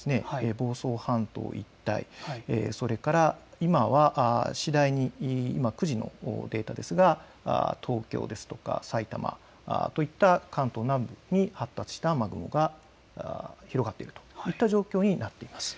房総半島一帯、それから今９時のデータですが、東京ですとか、埼玉といった関東南部に発達した雨雲が広がっているといった状況になっています。